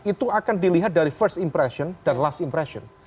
itu akan dilihat dari first impression dan last impression